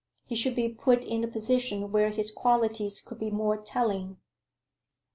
He should be put in a position where his qualities could be more telling."